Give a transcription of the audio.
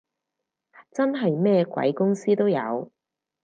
真係咩鬼公司都有